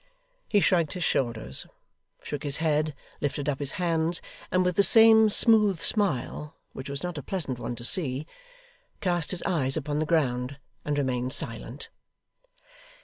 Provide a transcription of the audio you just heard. He shrugged his shoulders, shook his head, lifted up his hands; and with the same smooth smile, which was not a pleasant one to see, cast his eyes upon the ground, and remained silent.